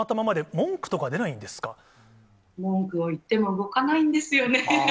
文句を言っても動かないんですよね。